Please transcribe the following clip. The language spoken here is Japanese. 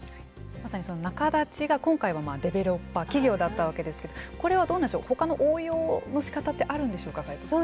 まさにその仲立ちが今回はまあデベロッパー企業だったわけですけどこれはどうなんでしょうほかの応用のしかたってあるんでしょうか齊藤さん。